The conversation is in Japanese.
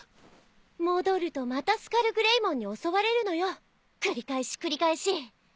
戻るとまたスカルグレイモンに襲われるのよ繰り返し繰り返し。